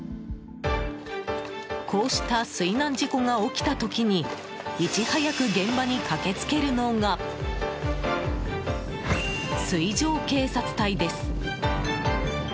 こうした水難事故が起きた時にいち早く現場に駆けつけるのが水上警察隊です。